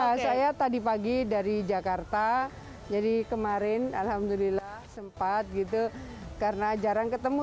ya saya tadi pagi dari jakarta jadi kemarin alhamdulillah sempat gitu karena jarang ketemu